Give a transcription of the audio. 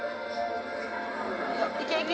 いけいけ！